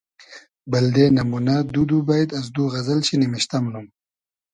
بئلدې نئمونۂ دو دو بݷت از دو غئزئل شی نیمشتۂ مونوم